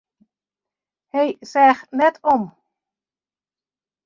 Hy seach net om.